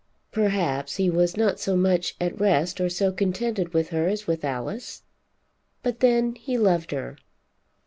Perhaps he was not so much at rest or so contented with her as with Alice. But then he loved her.